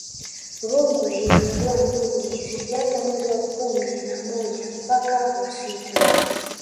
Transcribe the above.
rungwe ina mvua nyingi zikianza mwez wa kumi na moja mpaka wa sita